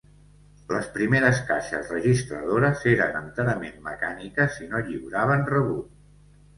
Les primeres caixes registradores eren enterament mecàniques i no lliuraven rebut.